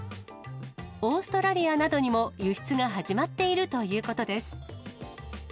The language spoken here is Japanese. オーストラリアなどにも輸出が始まっているということです。